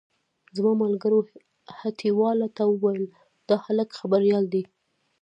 زما ملګرو هټيوالو ته وويل دا هلک خبريال دی.